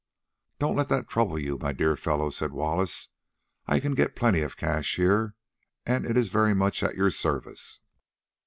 "Don't let that trouble you, my dear fellow," said Wallace; "I can get plenty of cash here, and it is very much at your service."